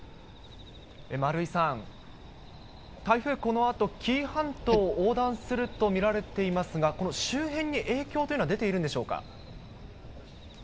丸井さん、台風、このあと紀伊半島を横断すると見られていますが、この周辺に影響というのは、出ているんでしょうか。